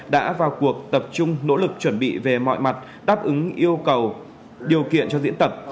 đã vào cuộc tập trung nỗ lực chuẩn bị về mọi mặt đáp ứng yêu cầu điều kiện cho diễn tập